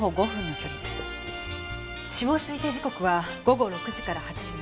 死亡推定時刻は午後６時から８時の間。